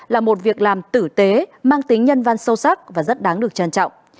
là một việc làm tử tế mang tính nhân văn sâu sắc và rất đáng được trân trọng